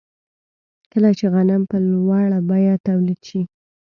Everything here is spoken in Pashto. کله چې غنم په لوړه بیه تولید شي